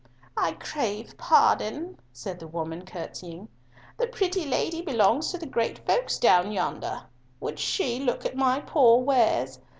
"I crave pardon," said the woman, curtseying, "the pretty lady belongs to the great folk down yonder. Would she look at my poor wares?